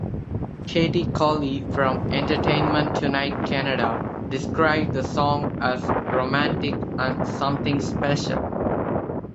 Katie Colley from "Entertainment Tonight Canada" described the song as romantic and "something special".